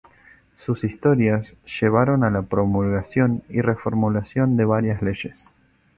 Sus historias llevaron a la promulgación y reformulación de varias leyes.